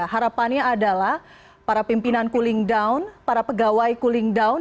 harapannya adalah para pimpinan cooling down para pegawai cooling down